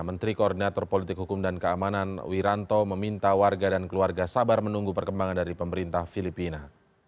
menteri koordinator politik hukum dan keamanan wiranto meminta warga dan keluarga sabar menunggu perkembangan dari pemerintah filipina